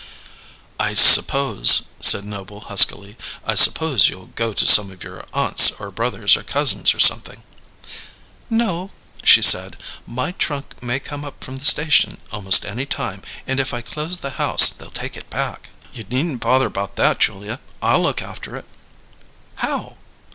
"I suppose," said Noble huskily, "I suppose you'll go to some of your aunts or brothers or cousins or something." "No," she said. "My trunk may come up from the station almost any time, and if I close the house they'll take it back." "You needn't bother about that, Julia. I'll look after it." "How?"